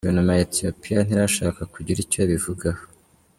Guverinoma ya Ethopia ntirashaka kugira icyo ibivugaho.